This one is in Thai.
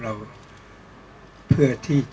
พวกเราเนี่ยที่นั่งอยู่ที่นี่